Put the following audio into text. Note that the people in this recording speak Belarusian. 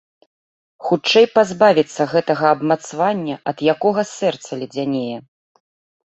Хутчэй пазбавіцца гэтага абмацвання, ад якога сэрца ледзянее!